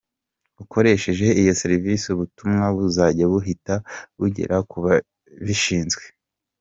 Ukoresheje iyo serivisi ubutumwa buzajya buhita bugera ku babishinzwe.